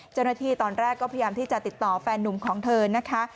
เจ้าหน้าที่ตอนแรกก็พยายามที่จะติดต่อแฟนนุ่มของเธอนะคะ